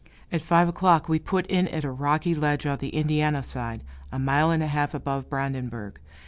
At five o'clock we put in at a rocky ledge on the Indiana side, a mile and a half above Brandenburg.